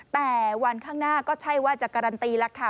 แต่วันข้างหน้าก็ใช่ว่าจะการันตีแล้วค่ะ